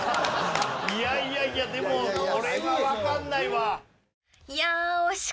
いやいやでもこれはわかんないわ。